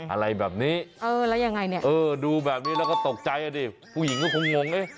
อะไรแบบนี้ดูแบบนี้แล้วก็ตกใจอ่ะดิผู้หญิงก็คงงง